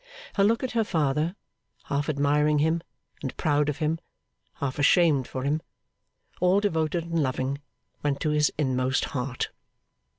Her look at her father, half admiring him and proud of him, half ashamed for him, all devoted and loving, went to his inmost heart.